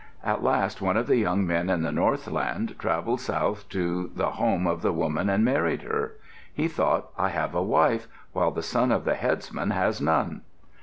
At last one of the young men in the northland travelled south to the home of the woman and married her. He thought, "I have a wife, while the son of the headsman has none."